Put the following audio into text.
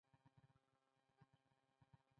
مقوله ده: یاري دوستي د خدای راستي ده.